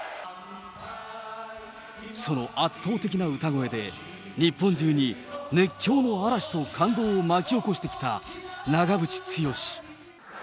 その圧倒的な歌声で、日本中に熱狂の嵐と感動を巻き起こしてきた長渕剛。